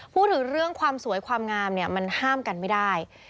พูดถึงเรื่องความสวยความงามเนี่ยมันห้ามกันไม่ได้